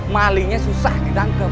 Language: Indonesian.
malingnya susah ditangkep